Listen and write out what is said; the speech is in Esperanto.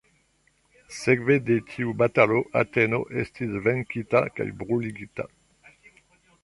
Sekve de tiu batalo, Ateno estis venkita kaj bruligita.